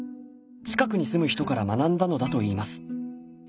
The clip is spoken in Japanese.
近くに住む人から学んだのだといいます。